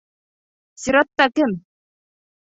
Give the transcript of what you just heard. Сиратта кем?